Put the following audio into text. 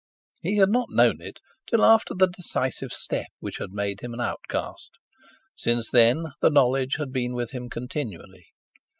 He had not known it till after the decisive step which had made him an outcast; since then the knowledge had been with him continually.